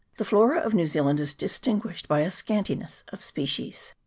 the flora of New Zealand is distinguished by a scantiness of species.